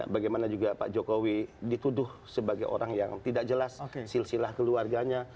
bagaimana juga pak jokowi dituduh sebagai orang yang tidak jelas silsilah keluarganya